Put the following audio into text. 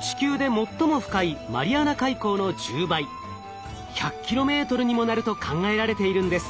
地球で最も深いマリアナ海溝の１０倍１００ｋｍにもなると考えられているんです。